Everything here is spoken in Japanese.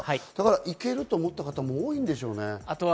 行けると思った方も多いんでしょうね。